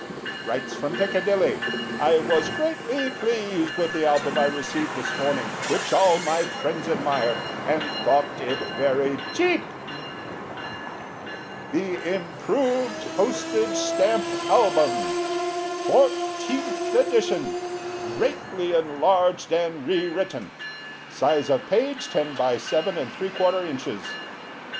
writes from Piccadilly: "I was greatly pleased with the Album I received this morning, which all my friends admired, and thought it very cheap." THE Improved Postage Stamp Album. FOURTEENTH EDITION. GREATLY ENLARGED AND RE WRITTEN. Size of Page, 10 by 7 3/4 ins.